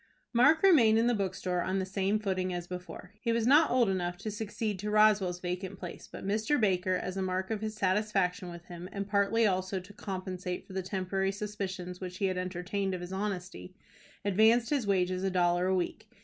Mark remained in the bookstore on the same footing as before. He was not old enough to succeed to Rowell's vacant place, but Mr. Baker, as a mark of his satisfaction with him, and partly also to compensate for the temporary suspicions which he had entertained of his honesty, advanced his wages a dollar a week.